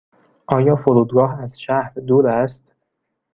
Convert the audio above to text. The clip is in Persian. آیا فرودگاه از شهر دور است؟